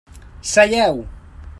Seieu.